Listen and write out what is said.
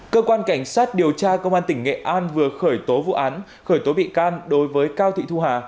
cơ quan cảnh sát điều tra công an tỉnh nghệ an vừa khởi tố vụ án khởi tố bị can đối với cao thị thu hà